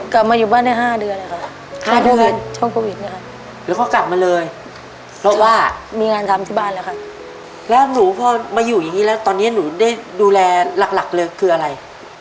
กลับมาอยู่บ้านได้๕เดือนแล้วครับห้าเดือนช่วงโควิดไหมคะแล้วก็กลับมาเลยเพราะว่ามีงานทำที่บ้านแล้วครับแล้วหนูพอมาอยู่อย่างนี้แล้วตอนนี้หนูได้ดูแลหลักหลักเลยคืออะไร